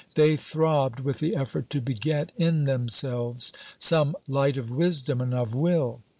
They throbbed with the effort to beget in themselves some light of wisdom and of will.